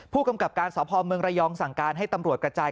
ผู้กำกับการสพรยสั่งการให้ตำรวจกระจาย